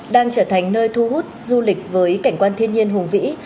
đang trở thành nơi thu hút du lịch với cảnh quan thiên nhiên hùng vĩ